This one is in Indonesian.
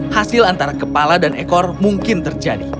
hasil antara kepala dan ekor mungkin terjadi